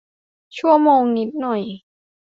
ชั่วโมงนิดหน่อย